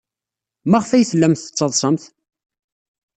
Maɣef ay tellamt tettaḍsamt?